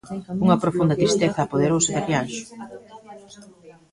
Unha profunda tristeza apoderouse de Rianxo.